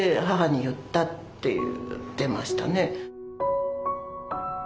母に言ったって言ってましたね。